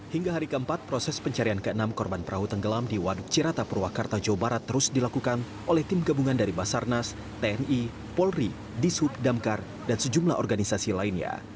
hingga hari keempat proses pencarian ke enam korban perahu tenggelam di waduk cirata purwakarta jawa barat terus dilakukan oleh tim gabungan dari basarnas tni polri dishub damkar dan sejumlah organisasi lainnya